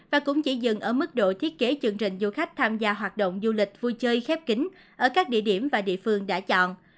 và cũng chỉ dừng ở mức độ thiết kế chương trình du khách tham gia hoạt động du lịch vui chơi khép kính ở các địa điểm và địa phương đã chọn